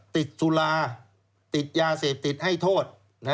ติดสุราติดยาเสพติดให้โทษ